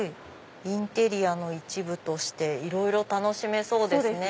インテリアの一部としていろいろ楽しめそうですね。